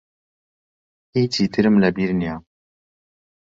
هیچی ترم لە بیر نییە.